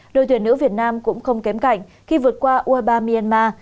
đội tuyển nữ việt nam cũng không kém cảnh khi vượt qua u hai mươi ba myanmar